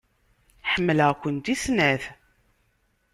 Ḥemmleɣ-kent i snat.